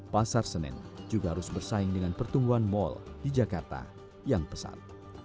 pasar senen juga harus bersaing dengan pertumbuhan mal di jakarta yang pesat